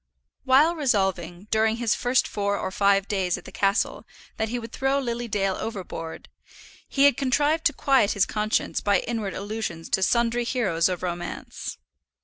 While resolving, during his first four or five days at the castle, that he would throw Lily Dale overboard, he had contrived to quiet his conscience by inward allusions to sundry heroes of romance.